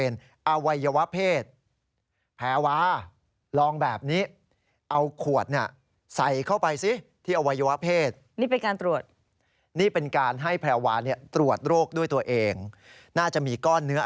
และเขาถอดเสื้อผ้าออกไปแล้ว